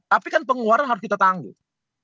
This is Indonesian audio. tapi kan pengeluaran harus kita tanggung